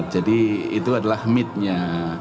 jadi itu adalah midnya